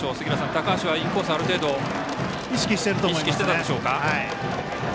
高橋はインコース、ある程度。意識していると思いますね。